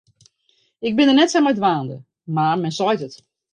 Ik bin dêr net sa mei dwaande, mar men seit it.